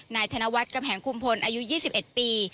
ธนวัฒน์กำแหงคุมพลอายุ๒๑ปี